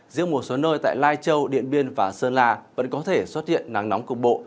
riêng một số nơi tại lai châu điện biên và sơn la vẫn có thể xuất hiện nắng nóng cục bộ